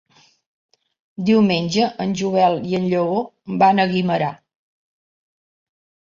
Diumenge en Joel i en Lleó van a Guimerà.